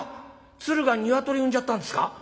鶴がニワトリ産んじゃったんですか？」。